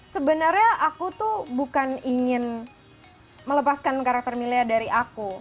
sebenarnya aku tuh bukan ingin melepaskan karakter milea dari aku